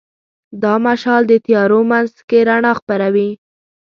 دا مشال د تیارو منځ کې رڼا خپروي.